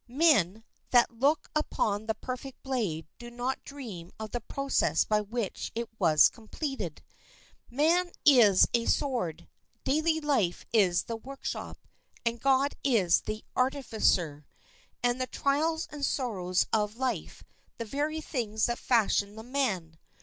Men that look upon the perfect blade do not dream of the process by which it was completed. Man is a sword, daily life is the workshop, and God is the artificer, and the trials and sorrows of life the very things that fashion the man.